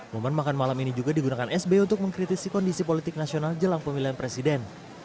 momen makan malam ini juga digunakan sby untuk mengkritisi kondisi politik nasional jelang pemilihan presiden